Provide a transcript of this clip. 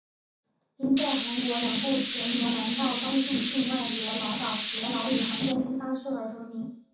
因在韩国南部全罗南道高兴郡外罗老岛罗老宇航中心发射而得名。